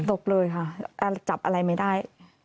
ตกเลยค่ะจับอะไรไม่ได้